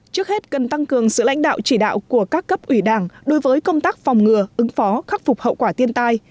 trước hết cần tăng cường sự lãnh đạo chỉ đạo của các cấp ủy đảng đối với công tác phòng ngừa ứng phó khắc phục hậu quả thiên tai